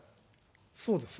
そうですね。